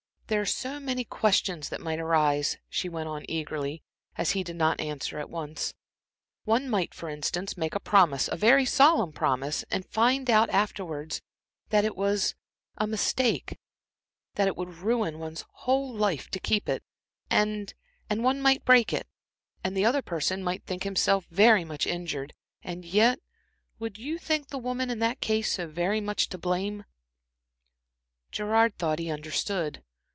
"There are so many questions that might arise," she went on, eagerly, as he did not answer at once. "One might, for instance, make a promise a very solemn promise, and find out afterwards that it was a mistake, that it would ruin one's whole life to keep it; and and one might break it, and the other person might think himself very much injured; and yet would you think the woman in that case so very much to blame?" Gerard thought he understood.